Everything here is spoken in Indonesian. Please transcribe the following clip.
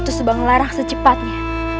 tuh sebang larang secepatnya